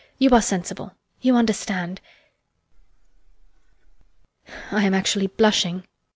You are sensible. You understand. [A pause] I am actually blushing.